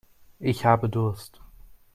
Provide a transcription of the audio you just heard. Ich habe Durst.